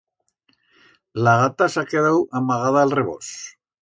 La gata s'ha quedau amagada a'l rebós.